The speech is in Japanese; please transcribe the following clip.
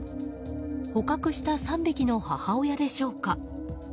捕獲した３匹の母親でしょうか。